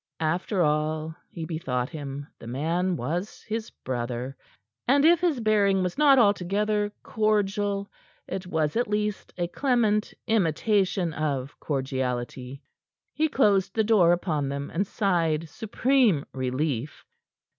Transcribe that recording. After all, he bethought him, the man was his brother. And if his bearing was not altogether cordial, it was, at least, a clement imitation of cordiality. He closed the door upon them, and sighed supreme relief.